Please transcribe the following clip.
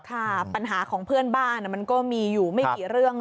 ค่ะปัญหาของเพื่อนบ้านมันก็มีอยู่ไม่กี่เรื่อง